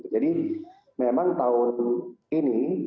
jadi memang tahun ini